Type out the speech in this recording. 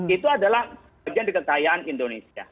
itu adalah bagian dari kekayaan indonesia